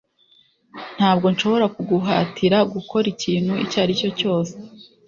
Ntabwo nshobora kuguhatira gukora ikintu icyo ari cyo cyose